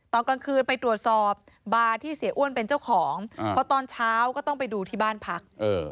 ตอนกลางคืนไปตรวจสอบบาร์ที่เสียอ้วนเป็นเจ้าของเพราะตอนเช้าก็ต้องไปดูที่บ้านพัก